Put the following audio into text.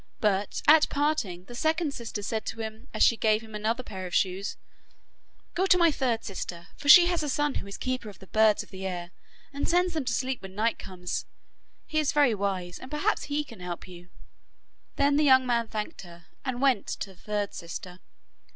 But at parting the second sister said to him, as she gave him another pair of shoes: 'Go to my third sister, for she has a son who is keeper of the birds of the air, and sends them to sleep when night comes. He is very wise, and perhaps he can help you.' Then the young man thanked her, and went to the third sister.